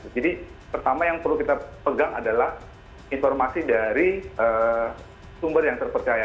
jadi pertama yang perlu kita pegang adalah informasi dari sumber yang terpercaya